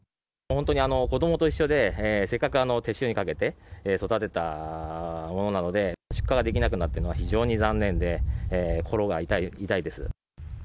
本当に子どもと一緒で、せっかく手塩にかけて育てたものなので、出荷ができなくなるというのは非常に残念で、心が痛いです。